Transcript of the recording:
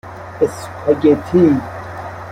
اسپاگتی